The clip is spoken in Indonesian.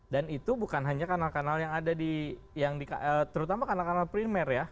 dan itu bukan hanya kanal kanal yang ada di terutama kanal kanal primer ya